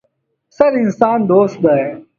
پسه د انسان دوست دی.